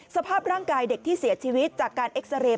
สภาพร่างกายเด็กที่เสียชีวิตจากการเอ็กซาเรย์